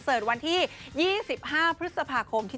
สุดท้าย